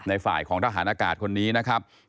ฝ่ายของทหารอากาศคนนี้นะครับ